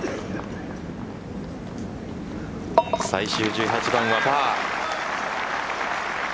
最終１８番はパー。